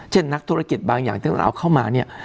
เช่นนักธุรกิจบางอย่างถ้าจะต้องเอาเข้ามาเนี่ย